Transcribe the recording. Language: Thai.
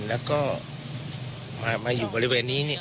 แล้วก็มาอยู่บริเวณนี้